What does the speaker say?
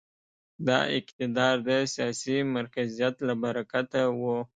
دا اقتدار د سیاسي مرکزیت له برکته و.